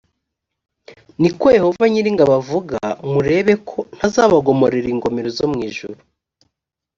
ni ko yehova nyir ingabo avuga murebe ko ntazabagomororera ingomero zo mu ijuru